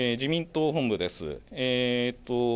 自民党本部です。